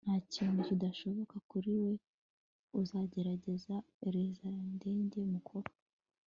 nta kintu kidashoboka kuri we uzagerageza. - alegizandere mukuru